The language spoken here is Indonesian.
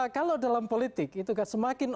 kalau dalam politik itu kan semakin